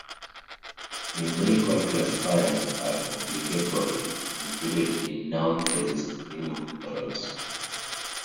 Numeral classifiers are obligatorily included in noun phrases containing numerals.